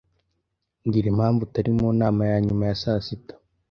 Mbwira impamvu utari mu nama ya nyuma ya saa sita.